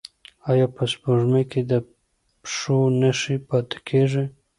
ایا په سپوږمۍ کې د پښو نښې پاتې کیږي؟